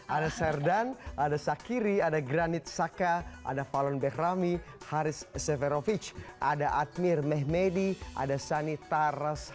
ada serdan ada sakiri ada granit saka ada valen beckrami haris severovic ada admir mehmedi ada sani taras